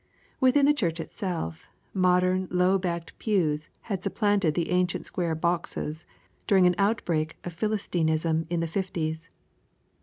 Within the church itself, modern low backed pews had supplanted the ancient square boxes during an outbreak of philistinism in the fifties.